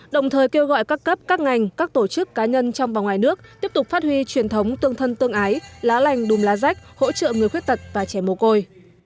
đồng thời kêu gọi các cấp các ngành các tổ chức cá nhân trong và ngoài nước tiếp tục phát huy truyền thống tương thân tương ái lá lành đùm lá rách hỗ trợ người khuyết tật và trẻ mồ côi